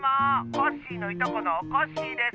コッシーのいとこのおこっしぃです。